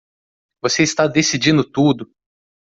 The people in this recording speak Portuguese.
Você está decidindo tudo!